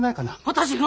私が？